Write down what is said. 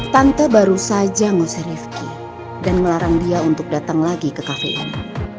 tante baru saja ngerifki dan melarang dia untuk datang lagi ke cafe ini